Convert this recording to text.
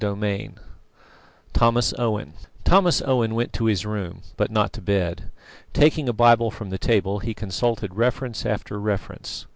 CHAPTER II THOMAS OWEN Thomas Owen went to his room, but not to bed. Taking a Bible from the table, he consulted reference after reference.